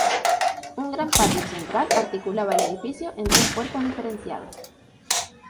Un gran patio central articulaba el edificio en tres cuerpos diferenciados.